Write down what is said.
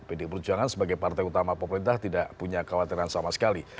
pdi perjuangan sebagai partai utama pemerintah tidak punya khawatiran sama sekali